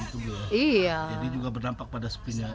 jadi juga berdampak pada sepinya